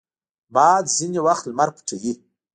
باد ځینې وخت لمر پټوي